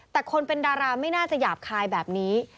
แต่คนเป็นดาราไม่น่าจะหยาบคายแบบนี้